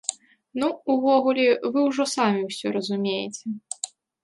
Ну, увогуле, вы ўжо самі ўсё разумееце!